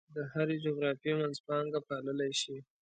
د هرې جغرافیې منځپانګه پاللی شي.